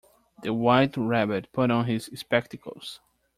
The White Rabbit put on his spectacles.